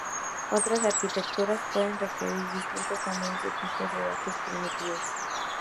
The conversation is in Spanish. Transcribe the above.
Otras arquitecturas pueden requerir distintos tamaños de tipos de datos primitivos.